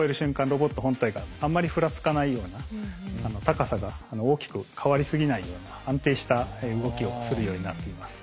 ロボット本体があんまりふらつかないような高さが大きく変わりすぎないような安定した動きをするようになっています。